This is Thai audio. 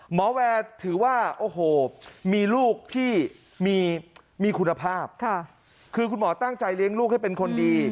แวร์ถือว่าโอ้โหมีลูกที่มีคุณภาพคือคุณหมอตั้งใจเลี้ยงลูกให้เป็นคนดี